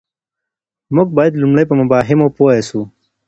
موږ بايد لومړی په مفاهيمو پوه سو.